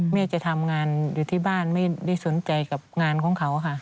แม่จะทำงานอยู่ที่บ้านไม่ได้สนใจกับงานของเขาค่ะ